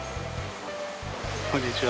こんにちは。